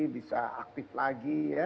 bisa aktif lagi ya